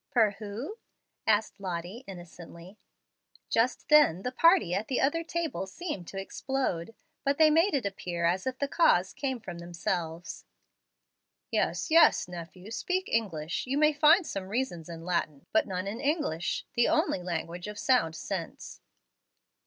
"'Per' who?" asked Lottie, innocently. Just then the party at the other table seemed to explode, but they made it appear as if the cause came from themselves. "Yes, yes, nephew, speak English. You may find some reasons in Latin, but none in English, the only language of sound sense."